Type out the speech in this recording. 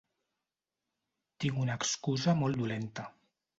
Tinc una excusa molt dolenta.